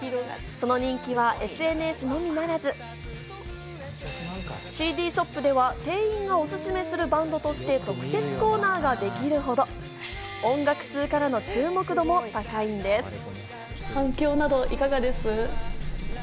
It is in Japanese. その人気はＳＮＳのみならずＣＤショップでは店員がおすすめするバンドとして特設コーナーができるほど音楽通からの注目度も高いんです。